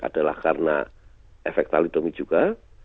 adalah karena efek talidomi juga